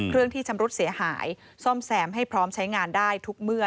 เครื่องที่ชำรุดเสียหายซ่อมแซมให้พร้อมใช้งานได้ทุกเมื่อ